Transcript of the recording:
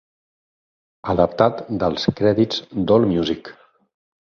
Adaptat dels crèdits d'AllMusic.